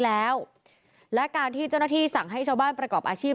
แล้วและการที่เจ้าหน้าที่สั่งให้ชาวบ้านประกอบอาชีพ